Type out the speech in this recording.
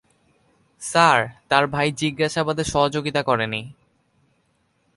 Sir, তার ভাই জিজ্ঞাসাবাদে সহযোগিতা করেনি।